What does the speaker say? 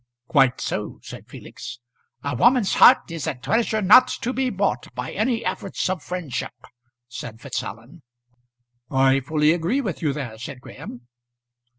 "Quite so," said Felix. "A woman's heart is a treasure not to be bought by any efforts of friendship," said Fitzallen. "I fully agree with you there," said Graham.